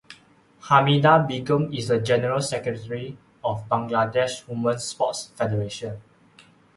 Hamida Begum is the General Secretary of Bangladesh Women Sports Federation.